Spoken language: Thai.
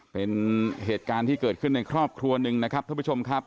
เป็นเหตุการณ์ที่เกิดขึ้นในครอบครัวหนึ่งนะครับท่านผู้ชมครับ